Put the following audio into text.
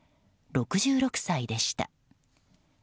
６６歳でした。